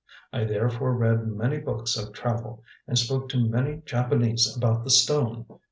I therefore read many books of travel, and spoke to many Japanese about the stone.